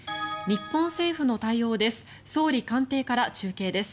日本政府の対応です。